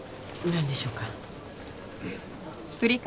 何でしょうか？